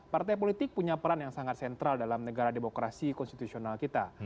partai politik punya peran yang sangat sentral dalam negara demokrasi konstitusional kita